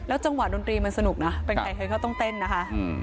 จังหวะดนตรีมันสนุกนะเป็นใครใครก็ต้องเต้นนะคะ